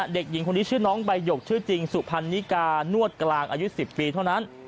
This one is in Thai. เด็กหญิงคนนี้ชื่อน้องใบหยกชื่อจริงสุพรรณิกานวดกลางอายุ๑๐ปีเท่านั้น